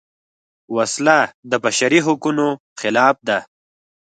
وسله د بشري حقونو خلاف ده